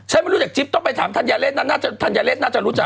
ฉันไม่รู้จริงต้องไปถามท่านยาเลสท่านยาเลสน่าจะรู้จัก